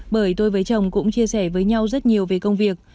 bởi tôi với chồng cũng chia sẻ với nhau rất nhiều về công việc